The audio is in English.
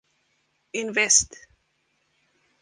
Invest.